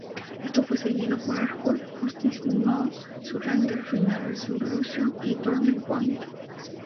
Esto fue seguido por Hardcore Justice, No Surrender, Final Resolution y Turning Point.